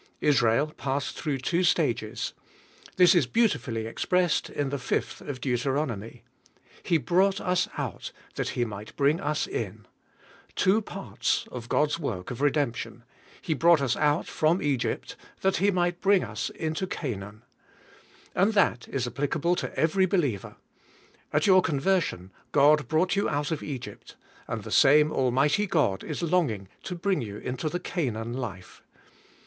Israel passed through two stages. This is beautifully expressed in the fifth of Deu teronomy: "He brought us out, that He might bring us in" — two parts of God's work of redemp tion — "He brought us out from Egpyt, that He might bring us into Canaan." And that is appli cable to every believer. At your conversion, God brought you out of Egypt, and the same al mighty God is longing to bring you into the Canaan life.